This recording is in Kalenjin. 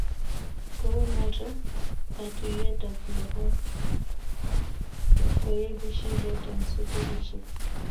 kounoto katuyet ap lakok koibu shidet eng sukulisiek